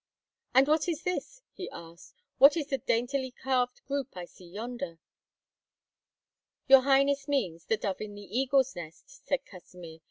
"And what is this?" he asked; "what is the daintily carved group I see yonder?" "Your highness means, 'The Dove in the Eagle's Nest,'" said Kasimir.